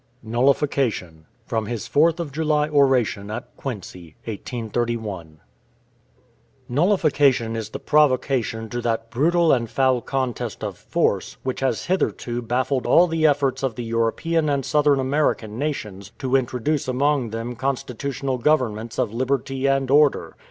NULLIFICATION From his Fourth of July Oration at Quincy, 1831 Nullification is the provocation to that brutal and foul contest of force, which has hitherto baffled all the efforts of the European and Southern American nations, to introduce among them constitutional governments of liberty and order.